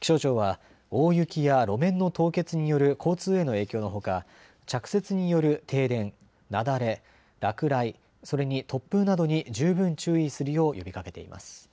気象庁は大雪や路面の凍結による交通への影響のほか、着雪による停電、雪崩、落雷、それに突風などに十分注意するよう呼びかけています。